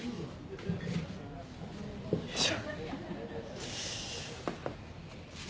よいしょ。